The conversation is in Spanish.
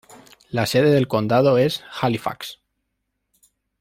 La sede del condado es Halifax.